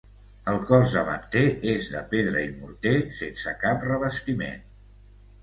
El cos davanter és de pedra i morter, sense cap revestiment.